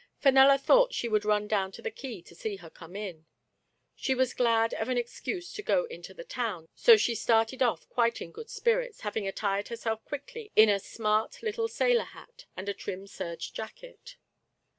Fenella thought she would run down to the quay to see her come in. She was glad of an ex cuse to go into the town, so she started off quite in good spirits, having attired herself quickly in a smart little sailor hat and a trim serge jacket.